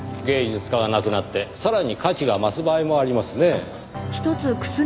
芸術家が亡くなってさらに価値が増す場合もありますねぇ。